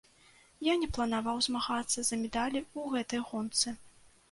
Я не планаваў змагацца за медалі ў гэтай гонцы.